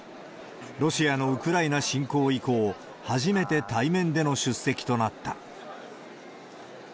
ロシアのウクライナ侵攻以降、初めて対面での出席となった。